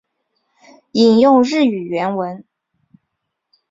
引用日语原文